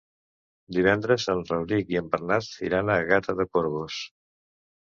Divendres en Rauric i en Bernat iran a Gata de Gorgos.